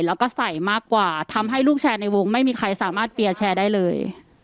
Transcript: แล้วก็ใส่มากกว่าทำให้ลูกแชร์ในวงไม่มีใครสามารถเปียร์แชร์ได้เลย